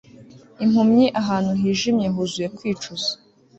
impumyi ahantu hijimye huzuye kwicuza